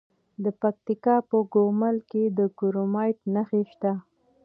د پکتیکا په ګومل کې د کرومایټ نښې شته.